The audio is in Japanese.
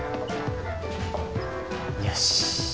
よし。